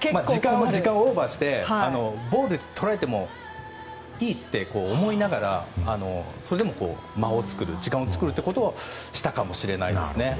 時間をオーバーしてボールをとられてもいいって思いながらそれでも間を作る時間を作ることをしたかもしれないですね。